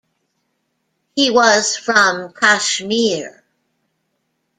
He was from Kashmir.